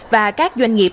và các doanh nghiệp